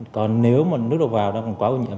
còn nếu mà nước độ vào đang còn quá ô nhiễm